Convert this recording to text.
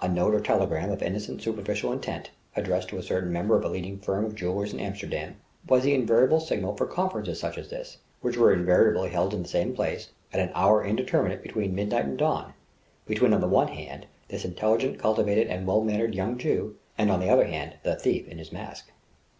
A note or telegram of innocent superficial intent, addressed to a certain member of a leading firm of jewellers in Amsterdam, was the invariable signal for conferences such as this; which were invariably held in the same place, at an hour indeterminate between midnight and dawn, between on the one hand this intelligent, cultivated and well mannered young Jew, and on the other hand the thief in his mask.